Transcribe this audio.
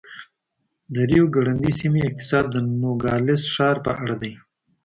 د ریو ګرنډي سیمې اقتصاد د نوګالس ښار په اړه دی.